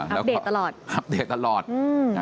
อัปเดตตลอดอัปเดตตลอดอืม